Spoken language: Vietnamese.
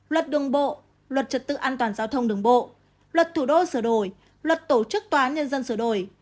luật đường bộ luật trật tự an toàn giao thông đường bộ luật thủ đô sửa đổi luật tổ chức tòa án nhân dân sửa đổi